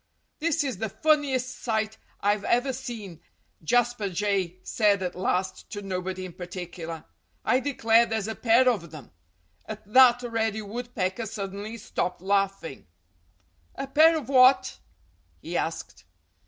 "This is the funniest sight I've ever seen!" Jasper Jay said at last, to nobody in particular. "I declare, there's a pair of them!" At that, Reddy Woodpecker suddenly stopped laughing. "A pair of what?" he asked.